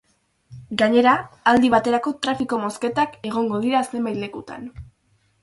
Gainera, aldi baterako trafiko-mozketak egongo dira zenbait lekutan.